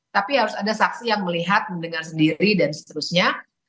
tapi harus ada saksi yang melihat mendengar sendiri dan seterusnya